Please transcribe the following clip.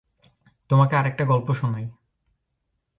তোমাকে আরেকটা গল্প শোনাই।